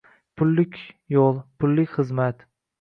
Pullik yoʻl, pullik xizmat